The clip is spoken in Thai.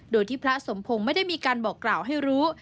โดยที่พระสมพงศ์ไม่ได้มีการบอกกล่าวให้รู้